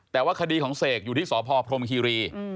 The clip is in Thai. แต่ว่าคดีของเสกอยู่ที่สพพรมคีรี